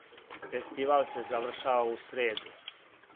Фестивал се завршава у среду.